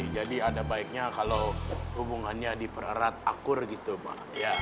jadi ada baiknya kalo hubungannya dipererat akur gitu mah